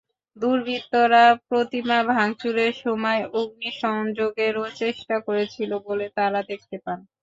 দুর্বৃত্তরা প্রতিমা ভাঙচুরের সময় অগ্নিসংযোগেরও চেষ্টা করেছিল বলে তাঁরা দেখতে পান।